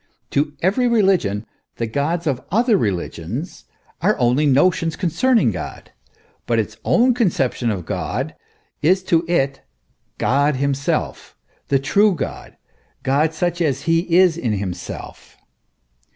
To every religion the gods of other religions are only notions concerning God, but its own con ception of God is to it God himself, the true God God such as he is in himself.